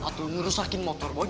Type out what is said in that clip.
atau ngerusakin motor boy